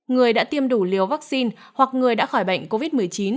người đã tiêm đủ liều vaccine hoặc người đã khỏi bệnh covid một mươi chín